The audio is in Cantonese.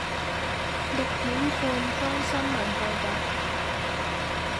六點半鐘新聞報道